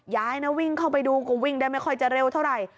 ยายนะวิ่งเข้าไปดูก็วิ่งได้ไม่ค่อยจะเร็วเท่าไหร่